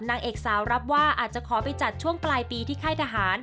นางเอกสาวรับว่าอาจจะขอไปจัดช่วงปลายปีที่ค่ายทหาร